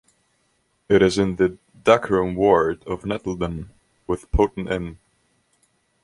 It is in the Dacorum Ward of Nettlden with Potten End.